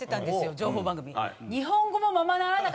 情報番組。